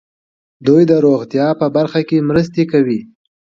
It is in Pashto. دوی د روغتیا په برخه کې مرستې کوي.